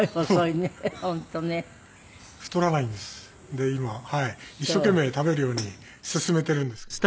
で今一生懸命食べるように勧めてるんですけども。